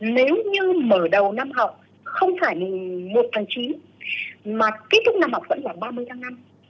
nếu như mở đầu năm học không phải mùng một tháng chín mà kết thúc năm học vẫn khoảng ba mươi tháng năm